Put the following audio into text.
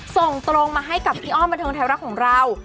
ส่งตรงมาให้กับพี่อ้อมบันเทิงไทยรักของเรา